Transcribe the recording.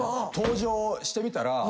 登場してみたら。